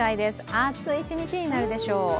暑い一日になるでしょう。